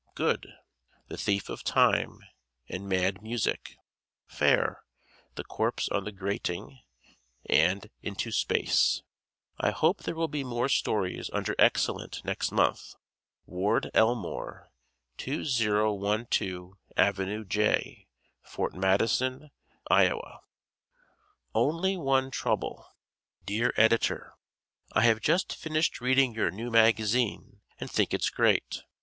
Good: "The Thief of Time" and "Mad Music." Fair: "The Corpse on the Grating" and "Into Space." I hope there will be more stories under "Excellent" next month Ward Elmore, 2012 Avenue J, Ft. Madison, Ia. "Only One Trouble " Dear Editor: I have just finished reading your new magazine and think it's great.